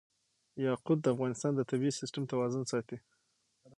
یاقوت د افغانستان د طبعي سیسټم توازن ساتي.